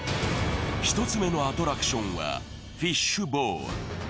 １つ目のアトラクションはフィッシュボーン。